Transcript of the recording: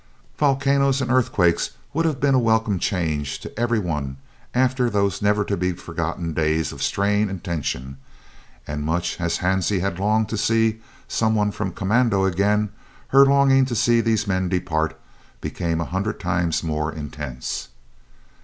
Volcanoes and earthquakes would have been a welcome change to every one after those never to be forgotten days of strain and tension; and much as Hansie had longed to see some one from commando again, her longing to see these men depart became a hundred times more intense.